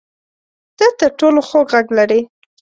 ته تر ټولو خوږ غږ لرې